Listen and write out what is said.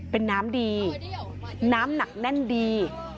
เป็นน้ำดีน้ำหนักแน่นดี